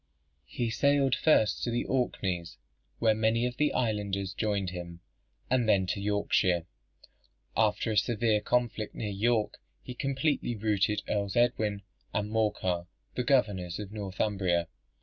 He sailed first to the Orkneys, where many of the islanders joined him, and then to Yorkshire. After a severe conflict near York, he completely routed Earls Edwin and Morcar, the governors of Northumbria.